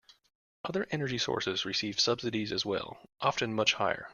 Other energy sources receive subsidies as well, often much higher.